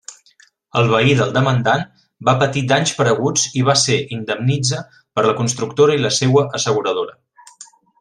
El veí del demandant va patir danys pareguts i va ser indemnitza per la constructora i la seua asseguradora.